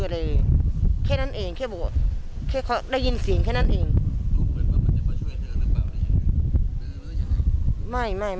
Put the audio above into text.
สวัสดีครับ